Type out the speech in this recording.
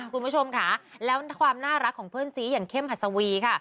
คุณผู้ชมค่ะแล้วความน่ารักของเพื่อนซีอย่างเข้มหัสวีค่ะ